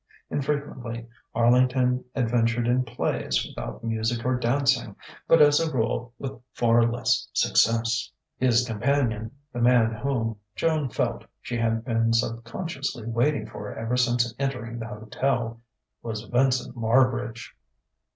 Infrequently Arlington adventured in plays without music or dancing, but as a rule with far less success. His companion, the man whom, Joan felt, she had been subconsciously waiting for ever since entering the hotel, was Vincent Marbridge.